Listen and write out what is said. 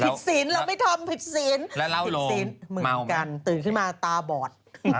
พิษศีลเราไม่ทำพิษศีลเหมือนกันตื่นขึ้นมาตาบอด